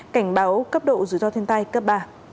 cảnh báo cấp độ rủi ro thiên tai cấp ba